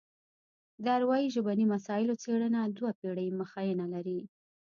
د اروايي ژبني مسایلو څېړنه دوه پېړۍ مخینه لري